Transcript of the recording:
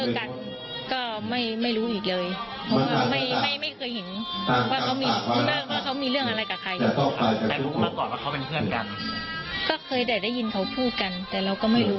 ตอนนี้ก็เลยไม่ได้สนใจอะไรกับใครเราก็ไม่รู้